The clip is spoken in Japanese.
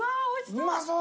うまそう。